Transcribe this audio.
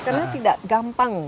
karena tidak gampang